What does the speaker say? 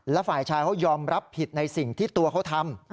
และฝ่ายชายเขายอมรับผิดในสิ่งที่ตัวเขาทำ